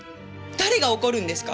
誰が怒るんですか？